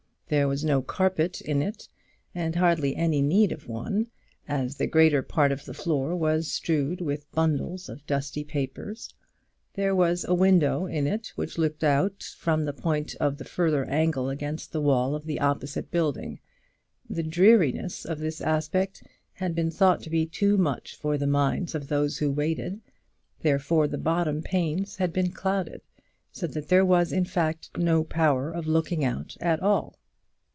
There was no carpet in it, and hardly any need of one, as the greater part of the floor was strewed with bundles of dusty papers. There was a window in it, which looked out from the point of the further angle against the wall of the opposite building. The dreariness of this aspect had been thought to be too much for the minds of those who waited, and therefore the bottom panes had been clouded, so that there was in fact no power of looking out at all.